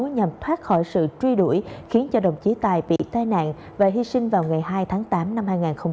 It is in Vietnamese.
nhằm thoát khỏi sự truy đuổi khiến cho đồng chí tài bị tai nạn và hy sinh vào ngày hai tháng tám năm hai nghìn hai mươi